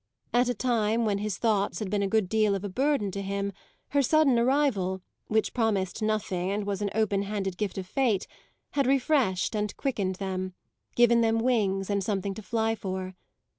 At a time when his thoughts had been a good deal of a burden to him her sudden arrival, which promised nothing and was an open handed gift of fate, had refreshed and quickened them, given them wings and something to fly for.